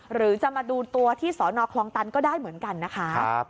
หรือจะมาดูตัวที่สอนอคลองตันก็ได้เหมือนกันนะคะ